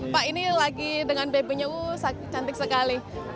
pak ini lagi dengan bebunya cantik sekali